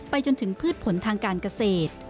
จนถึงพืชผลทางการเกษตร